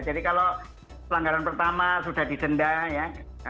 jadi kalau pelanggaran pertama sudah didenda ya